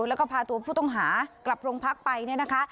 แล้วก็พาตัวผู้ต้องหากลับโรงพักไปเนี่ยนะคะ